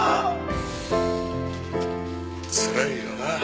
つらいよなあ